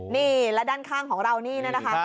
นี่และด้านข้างของเรานี่นะคะ